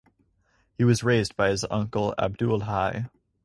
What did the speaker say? He was raised by his uncle Abdul Hai.